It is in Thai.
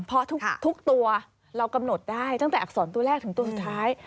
เพราะทุกตัวเรากำหนดได้ตั้งแต่อักษรตัวแรกถึงตัวสุดท้าย